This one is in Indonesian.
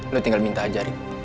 lo tinggal minta aja rik